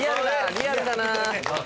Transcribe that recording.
リアルだなあ。